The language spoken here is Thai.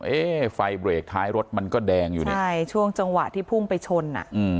เอ๊ะไฟเบรกท้ายรถมันก็แดงอยู่นี่ใช่ช่วงจังหวะที่พุ่งไปชนอ่ะอืม